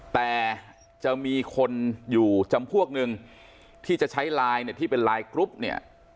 แต่จะมีคนอยู่จำพวกนึงที่จะใช้ไลน์เนี่ยที่เป็นไลน์กรุ๊ปเนี่ย